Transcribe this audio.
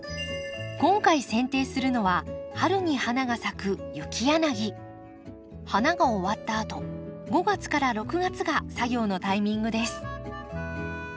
今回せん定するのは春に花が咲く花が終わったあと５月から６月が作業のタイミングです。